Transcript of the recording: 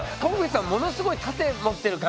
ものすごい盾持ってる感じよね。